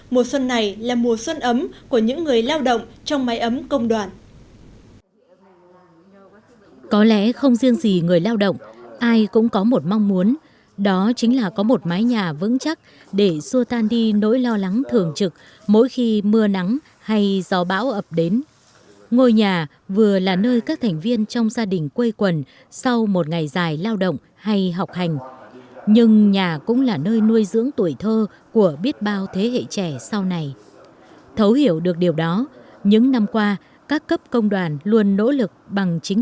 mùa xuân này là mùa xuân ấm của những người lao động trong máy ấm công đoàn